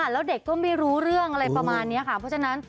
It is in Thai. แล้วเด็กก็ไม่รู้เรื่องอะไรประมาณนี้ค่ะเพราะฉะนั้น